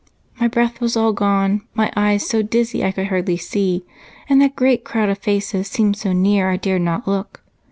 My breath was all gone, my eyes so dizzy I could hardly see, and that great crowd of faces seemed so near, I dared not look.